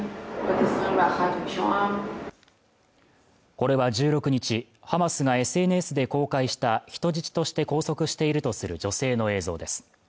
これは１６日ハマスがＳＮＳで公開した人質として拘束しているとする女性の映像です